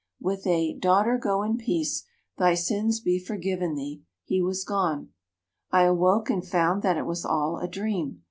"With a, 'Daughter, go in peace; thy sins be forgiven thee,' he was gone. I awoke and found that it was all a dream.